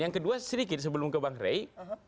yang kedua sedikit sebelum ke bang rey